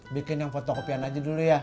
bikin yang fotokopian aja dulu ya